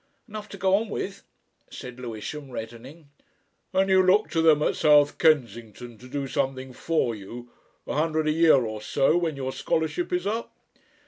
"Enough to go on with," said Lewisham, reddening. "And you look to them at South Kensington, to do something for you a hundred a year or so, when your scholarship is up?"